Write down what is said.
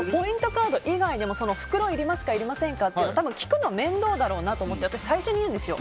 カード以外でも袋いりますかいりませんか？とかも聞くのが面倒だろうなと思って、最初に言うんですよ。